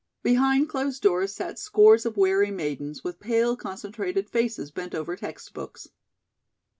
Behind closed doors sat scores of weary maidens with pale concentrated faces bent over text books.